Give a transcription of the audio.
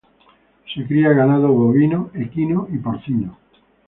Se cría ganado bovino, equino y porcino.